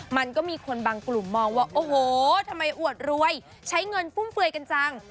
มันก็มีคนบางกลุ่มมองว่าโอ้โหทำไมอวดรวยใช้เงินฟุ่มเฟือยกันจัง